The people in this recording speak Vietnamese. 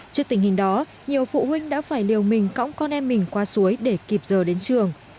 trước tình hình đó nhiều phụ huynh đã phải liều mình cõng con em mình qua suối để kịp giờ đến trường